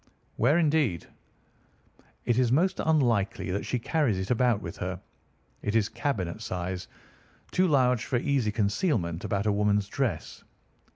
"Where, indeed?" "It is most unlikely that she carries it about with her. It is cabinet size. Too large for easy concealment about a woman's dress.